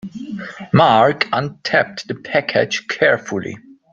Mark untaped the package carefully.